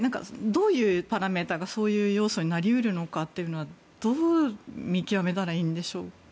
どういうパラメータがそういう要素になり得るのかというのはどう見極めたらいいんでしょうか？